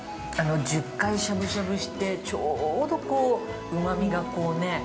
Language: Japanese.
◆１０回しゃぶしゃぶしてちょうどこう、うまみがこうね。